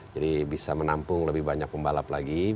jadi bisa menampung lebih banyak pembalap lagi